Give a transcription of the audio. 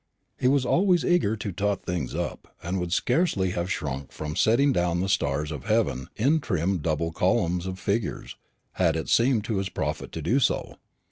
He was always eager to "tot" things up, and would scarcely have shrunk from setting down the stars of heaven in trim double columns of figures, had it seemed to his profit to do so.